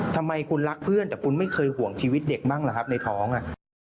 ทำไมคุณรักเพื่อนแต่คุณไม่เคยห่วงชีวิตเด็กบ้างล่ะครับในท้อง